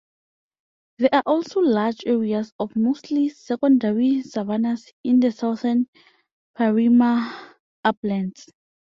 There are also large areas of mostly secondary savannas in the southern Parima uplands.